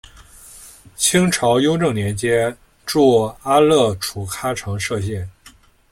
清朝雍正年间筑阿勒楚喀城设县。